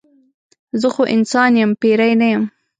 زه خو انسان یم پیری نه یم.